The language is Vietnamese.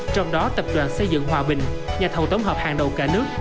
trong đó tập đoàn xây dựng hòa bình nhà thầu tổng hợp hàng đầu cả nước